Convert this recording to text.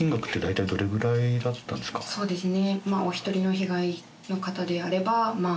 そうですね。